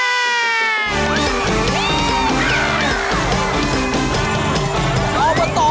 ช่วงนี้นะครับอบตขอแรง